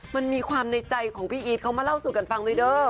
มันมีความในใจของพี่อีทเขามาเล่าสู่กันฟังไหมเด้อ